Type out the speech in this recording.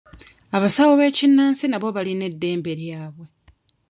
Abasawo b'ekinnansi nabo balina eddembe lyabwe.